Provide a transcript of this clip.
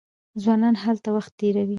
ځوانان هلته وخت تیروي.